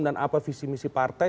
dan apa visi misi partai